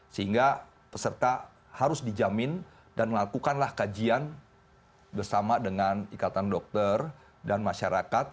sehingga peserta harus dijamin dan melakukanlah kajian bersama dengan ikatan dokter dan masyarakat